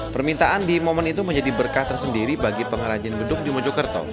permintaan di momen itu menjadi berkah tersendiri bagi pengrajin beduk di mojokerto